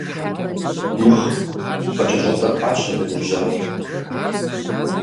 Умыгъ! – къыкӀэщӀэтӀыркъащ абы ныбжьэгъур.